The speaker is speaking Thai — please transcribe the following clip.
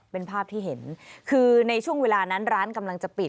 เป็นภาพที่เห็นคือในช่วงเวลานั้นร้านกำลังจะปิด